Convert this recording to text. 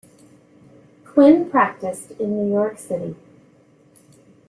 Quinn practiced in New York City.